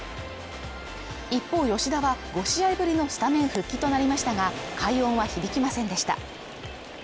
一方吉田は５試合ぶりのスタメン復帰となりましたが、快音は響きませんでした。